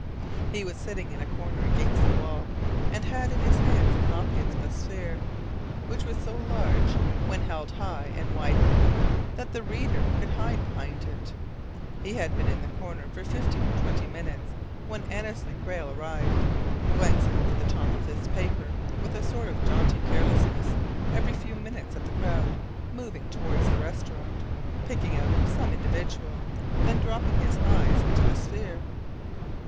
He was sitting in a corner against the wall, and had in his hands a copy of the Sphere, which was so large when held high and wide open that the reader could hide behind it. He had been in his corner for fifteen or twenty minutes when Annesley Grayle arrived, glancing over the top of his paper with a sort of jaunty carelessness every few minutes at the crowd moving toward the restaurant, picking out some individual, then dropping his eyes to the Sphere.